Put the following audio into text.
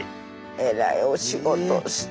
えらいお仕事して。